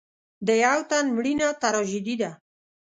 د یو تن مړینه تراژیدي ده.